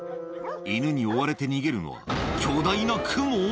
イヌに追われて逃げるのは、巨大なクモ？